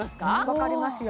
わかりますよ